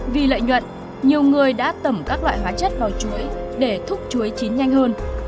vì lợi nhuận nhiều người đã tẩm các loại hóa chất vào chuỗi để thúc chuối chín nhanh hơn